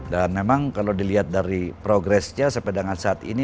dan memang kalau dilihat dari progressnya sampai saat ini